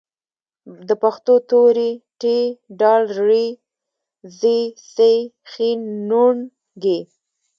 د پښتو توري: ټ، ډ، ړ، ځ، څ، ښ، ڼ، ږ